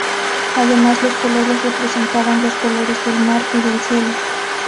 Además, los colores representaban los colores del mar y del cielo.